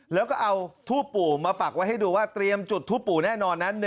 แล้วก็เอาทูบปู่มาปักไว้ให้ดูว่าเตรียมจุดทูปปู่แน่นอนนั้น